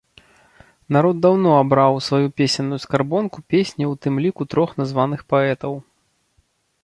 Народ даўно абраў у сваю песенную скарбонку песні ў тым ліку трох названых паэтаў.